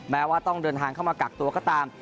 แม้ว่าต้องเดินทางเข้ามากักตัวก็ตาม